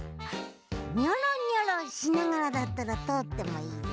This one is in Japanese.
ニョロニョロしながらだったらとおってもいいぞ。